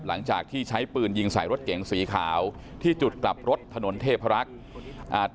หลังจากที่ใช้ปืนยิงใส่รถเก๋งสีขาวที่จุดกลับรถถนนเทพรักษ์อ่า